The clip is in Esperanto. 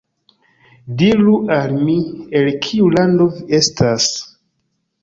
Diru al mi, el kiu lando vi estas.